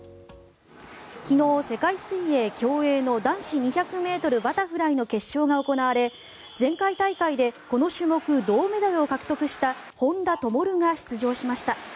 昨日、世界水泳・競泳の男子２００ｍバタフライの決勝が行われ前回大会でこの種目、銅メダルを獲得した本多灯が出場しました。